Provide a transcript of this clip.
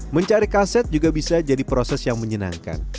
mencari kaset juga bisa jadi proses yang menyenangkan